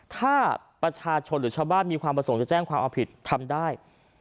ถ้าประชาชนหรือชาวบ้านมีความประสงค์จะแจ้งความเอาผิดทำได้